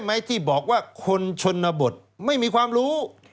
คุณตั๊นที่บอกว่าคนชนนบทไม่มีความรู้